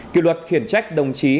kiểu luật khiển trách đồng chí